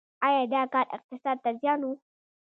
آیا دا کار اقتصاد ته زیان و؟